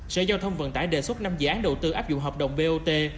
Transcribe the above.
sở giao thông vận tải đề xuất năm dự án đầu tư áp dụng hợp đồng bot